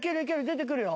出てくるよ。